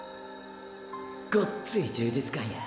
ごっつい充実感や。